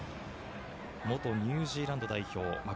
元ニュージーランド代表。